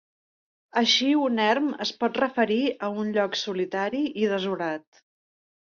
Així un erm es pot referir a un lloc solitari i desolat.